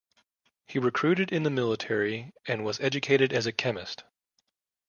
He recruited in the military and was educated as a chemist.